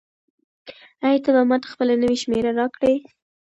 آیا ته به ماته خپله نوې شمېره راکړې؟